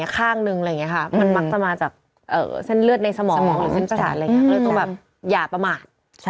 มันมันหรือเปล่ามันอาจจะมาจากเรื่องของเส้นประสาท